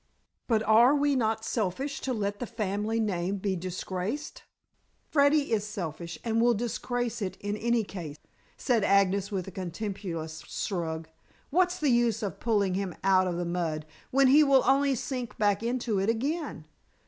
"But are we not selfish to let the family name be disgraced?" "Freddy is selfish, and will disgrace it in any case," said Agnes, with a contemptuous shrug. "What's the use of pulling him out of the mud, when he will only sink back into it again?